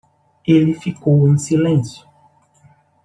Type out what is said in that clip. Ele ficou em silêncio